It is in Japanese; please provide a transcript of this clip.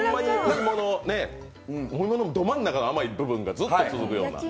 お芋のど真ん中の甘い部分がずっと続くような。